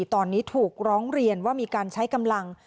ตอนนี้ถูกร้องเรียนว่ามีการใช้กำลัง